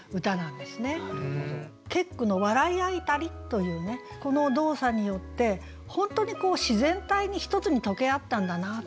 結句の「笑い合いたり」というねこの動作によって本当に自然体に一つにとけあったんだなというね。